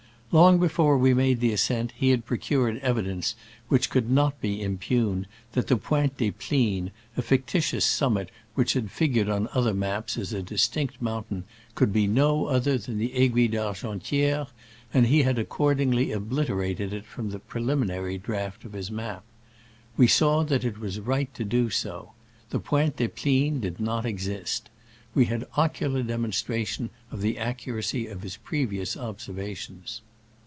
Long before we made the ascent he had procured evi dence which could not be impugned that the Pointe des Plines, a fictitious summit which had figured on other maps as a distinct mountain, could be no other than the Aiguille d'Argentiere, and he had accordingly obliterated it from the preliminary draft of his map. We saw that it was right to do so. The Pointe des Plines did not exist. We had ocular demonstration of the accuracy of his previous observations.